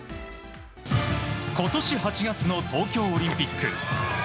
今年８月の東京オリンピック。